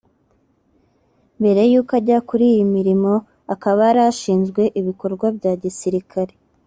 mbere yuko ajya kuri iyi mirimo akaba yari ashinzwe ibikorwa bya gisirikare